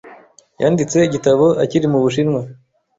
Yanditse igitabo akiri mu Bushinwa.